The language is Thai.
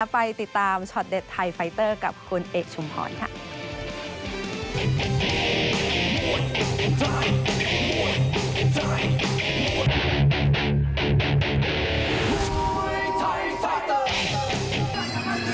ไปติดตามช็อตเด็ดไทยไฟเตอร์กับคุณเอกชุมพรค่ะ